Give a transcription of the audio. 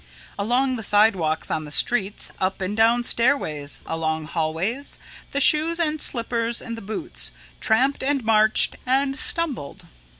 Along the sidewalks on the streets, up and down stairways, along hallways, the shoes and slippers and the boots tramped and marched and stumbled.